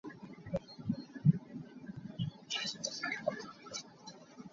Rian a ka fial tuk i a ka neng.